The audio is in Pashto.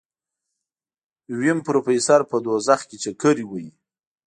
ويم پروفيسر په دوزخ کې چکرې وهي.